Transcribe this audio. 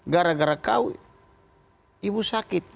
gara gara kau ibu sakit